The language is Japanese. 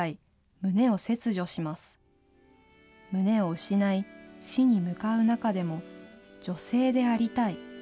胸を失い、死に向かう中でも女性でありたい。